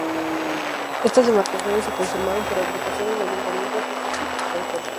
Estas demarcaciones se conformaron por agrupaciones de ayuntamientos, es decir, por consorcios.